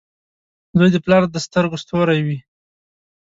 • زوی د پلار د سترګو ستوری وي.